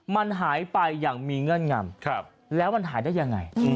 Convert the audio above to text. มันหายไปอย่างมีเงื่อนงำแล้วมันหายได้ยังไง